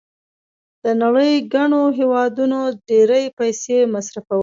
د نړۍ ګڼو هېوادونو ډېرې پیسې مصرفولې.